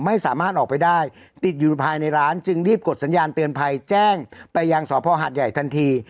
ไม่สามารถออกไปได้ติดอยู่ภายในร้านจึงรีบกดสัญญาณเตือนภัยแจ้งไปยังสพหาดใหญ่ทันที